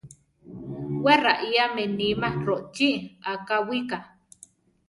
Wé raiáme níma rochí akáwika.